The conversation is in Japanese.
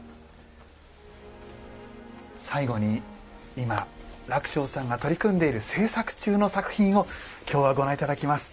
最後に今礫翔さんが取り組んでいる制作中の作品を今日はご覧頂きます。